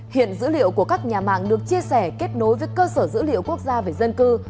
hiện dữ liệu của các nhà mạng được chia sẻ kết nối với cơ sở dữ liệu quốc gia về dân cư